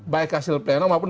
baik hasil pleno maupun